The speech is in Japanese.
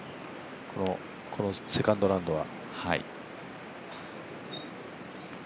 このセカンドラウンドは。